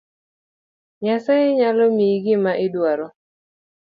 Nyasaye nyalo miyi gima iduaro